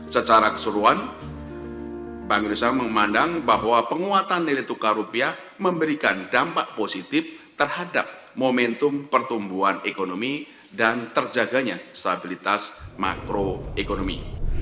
secara keseluruhan bank indonesia memandang bahwa penguatan nilai tukar rupiah memberikan dampak positif terhadap momentum pertumbuhan ekonomi dan terjaganya stabilitas makroekonomi